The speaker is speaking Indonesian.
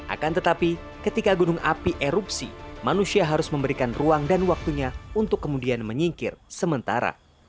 akan tetapi ketika gunung api erupsi manusia harus memberikan ruang dan waktunya untuk kemudian menyingkir sementara